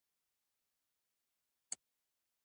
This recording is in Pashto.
دغو انجنيرانو د خپل رئيس د امر تطبيقولو لپاره هڅې وکړې.